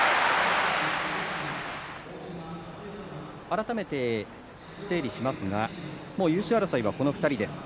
改めて整理しますが優勝争いはこの２人です。